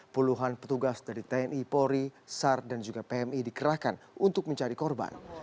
puluhan petugas dari tni polri sar dan juga pmi dikerahkan untuk mencari korban